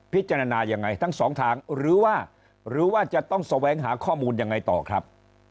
พิจารณายังไงทั้งสองทางหรือว่าหรือว่าจะต้องแสวงหาข้อมูลยังไงต่อครับ